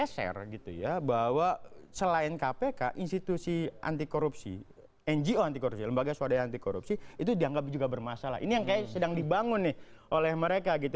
saya bahwa selain kpk institusi anti korupsi ngo anti korupsi lembaga swadaya anti korupsi itu dianggap juga bermasalah ini yang kayak sedang dibangun nih oleh mereka gitu